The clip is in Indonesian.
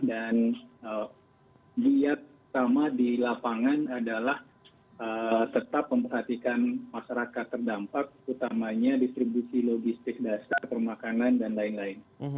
dan liat pertama di lapangan adalah tetap memperhatikan masyarakat terdampak utamanya distribusi logistik dasar permakanan dan lain lain